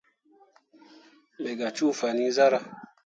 Me gah cuu fan iŋ zarah.